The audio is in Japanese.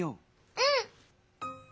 うん！